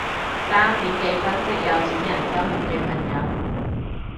三點幾分析有錢人生活嘅朋友